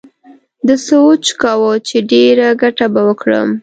ده سوچ کاوه چې ډېره گټه به وکړم.